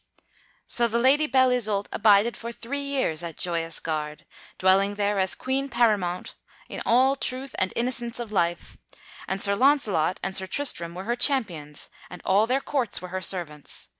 So the Lady Belle Isoult abided for three years at Joyous Gard, dwelling there as queen paramount in all truth and innocence of life; and Sir Launcelot and Sir Tristram were her champions and all their courts were her servants.